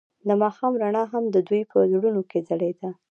د ماښام رڼا هم د دوی په زړونو کې ځلېده.